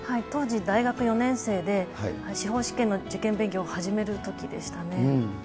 当時、大学４年生で、司法試験の受験勉強を始めるときでしたね。